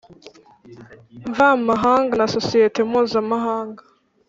Mvamahanga na sosiyete mpuzamahanga